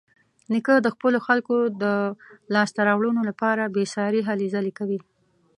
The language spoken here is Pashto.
نیکه د خپلو خلکو د لاسته راوړنو لپاره بېسارې هلې ځلې کوي.